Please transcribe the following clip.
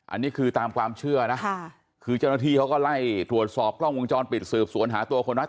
อันนี้คือตามความเชื่อนะคือเจ้าหน้าที่เขาก็ไล่ตรวจสอบกล้องวงจรปิดสืบสวนหาตัวคนร้าย